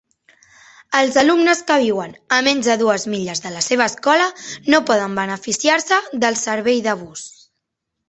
Els alumnes que viuen a menys de dues milles de la seva escola no poden beneficiar-se del servei de bus.